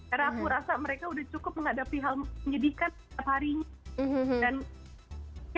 karena aku rasa mereka udah cukup menghadapi hal menyedihkan setiap harinya